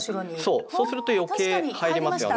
そうそうすると余計入りますよね。